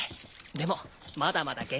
でもまだまだ現役。